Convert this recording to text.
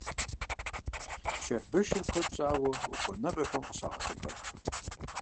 Чырбышыр куэд щӀауэ ухуэныгъэхэм къыщагъэсэбэп.